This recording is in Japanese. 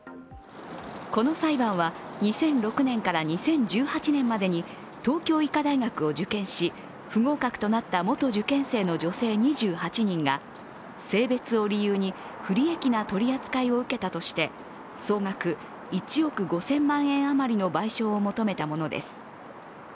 この裁判は、２００６年から２０１８年までに東京医科大学を受験し不合格となった元受験生の女性２８人が性別を理由に不利益な取り扱いを受けたとして、総額１億５０００万円余りの賠償を求めたものです。